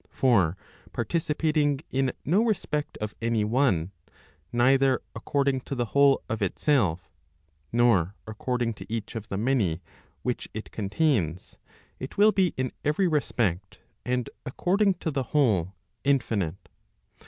For participating in no respect of any one, neither according to the whole of itself, nor according to each of the many which it contains, it will be in every respect, and according to the whole, infi¬ nite.